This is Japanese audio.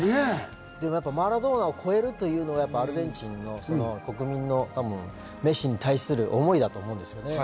でもマラドーナを超えるというのがアルゼンチンの国民のメッシに対する思いだと思うんですよね。